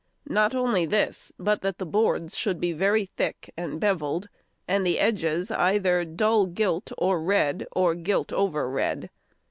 Not only this, but that the boards should be very thick and bevelled, and the edges either dull gilt or red, or gilt over red.